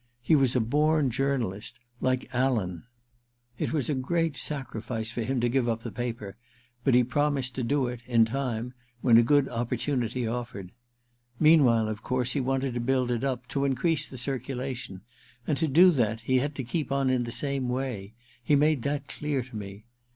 He was a born Journalist — ^like Alan. It was a great sacrifice for him to give up the paper, but he promised to do it — in time — when a good opportunity offered. 3o8 THE QUICKSAND iii Meanwhile, of course, he wanted to build it up, to increase the circulation — and to do that he had to keep on in the same way — ^he made that clear to me.